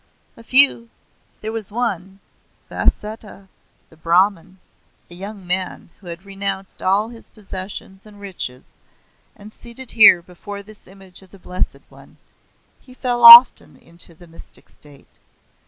"A few. There was one, Vasettha, the Brahman, a young man who had renounced all his possessions and riches, and seated here before this image of the Blessed One, he fell often into the mystic state.